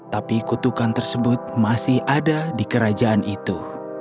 tapi kutukan tersebut masih ada di kerajaan itu